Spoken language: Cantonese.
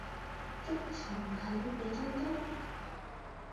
竹蟲係乜嘢東東？